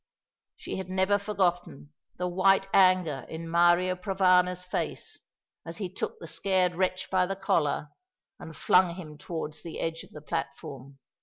She had never forgotten the white anger in Mario Provana's face as he took the scared wretch by the collar and flung him towards the edge of the platform.